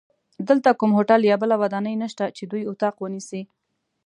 دلته کوم هوټل یا بله ودانۍ نشته چې دوی اتاق ونیسي.